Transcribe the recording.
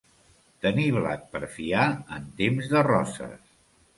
Tenir blat per fiar en temps de roses.